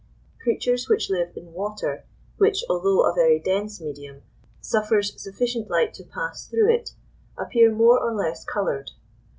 Creatures which live in water, which, although a very dense medium, suffers sufficient light to pass through it, appear more or less coloured.